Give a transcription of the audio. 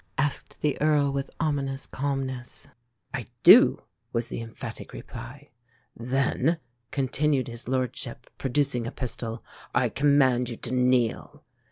asked the Earl with ominous calmness. "I do," was the emphatic reply. "Then," continued his lordship, producing a pistol, "I command you to kneel."